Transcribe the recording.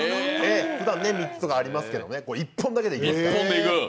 ふだん３つとかありますけど、１本だけでいきますから。